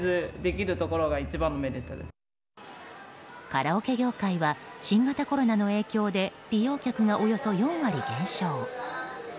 カラオケ業界は新型コロナの影響で利用客がおよそ４割減少。